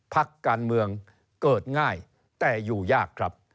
พักการเมืองเกิดง่ายแต่อยู่ยากครับ